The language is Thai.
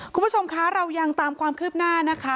คุณผู้ชมคะเรายังตามความคืบหน้านะคะ